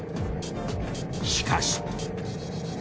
しかし。